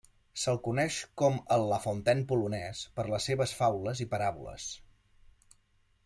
Se'l coneix com el La Fontaine polonès per les seves faules i paràboles.